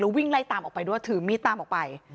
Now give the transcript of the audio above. วิ่งไล่ตามออกไปด้วยถือมีดตามออกไป